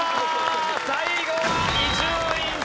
最後は伊集院さん